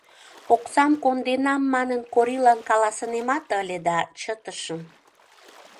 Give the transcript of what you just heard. Оксам конденам манын, Корилан каласынемат ыле да чытышым.